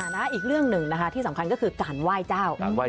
อีกเรื่องหนึ่งนะคะที่สำคัญก็คือการไหว้เจ้า